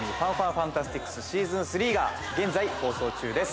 ＦＡＮＴＡＳＴＩＣＳＳＥＡＳＯＮ３』が現在放送中です。